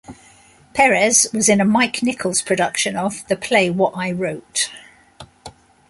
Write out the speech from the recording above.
Perez was in a Mike Nichols production of "The Play What I Wrote".